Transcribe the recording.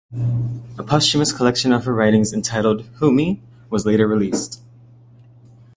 A posthumous collection of her writings, entitled "Who Me?," was later released.